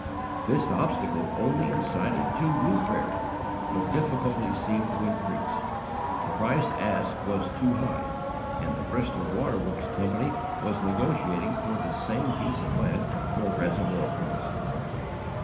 This obstacle only incited to new prayer, but difficulties seemed to increase: the price asked was too high, and the Bristol Waterworks Company was negotiating for this same piece of land for reservoir purposes.